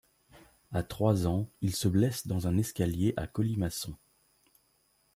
À trois ans il se blesse dans un escalier à colimaçon.